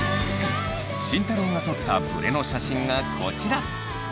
慎太郎が撮ったブレの写真がこちら。